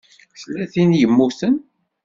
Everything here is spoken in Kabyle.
Tella tin i yemmuten?